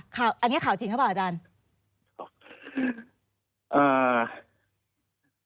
อันนี้ข่าวจริงหรือเปล่าอาจารย์